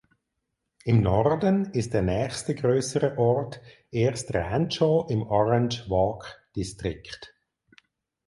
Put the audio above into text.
Im Norden ist der nächste größere Ort erst Rancho im Orange Walk District.